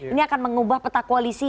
ini akan mengubah peta koalisi